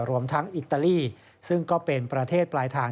รวมทั้งอิตาลีซึ่งก็เป็นประเทศปลายทาง